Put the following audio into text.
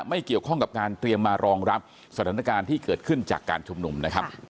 ไม่เกี่ยวข้องกับการเตรียมมารองรับสถานการณ์ที่เกิดขึ้นจากการชุมนุมนะครับ